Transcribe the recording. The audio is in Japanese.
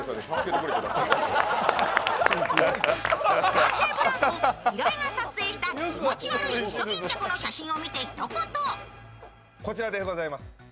男性ブランコ・平井が撮影した気持ち悪いいそぎんちゃくの写真を見てひと言。